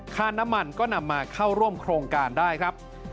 ค่าน้ำมันก็นำมาเข้าร่วมโครงการได้ครับ